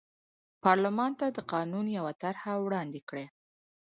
پارلمان ته د قانون یوه طرحه وړاندې کړه.